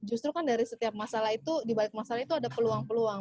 justru kan dari setiap masalah itu dibalik masalah itu ada peluang peluang